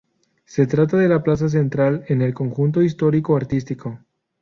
Se trata de la plaza central en el conjunto histórico-artístico.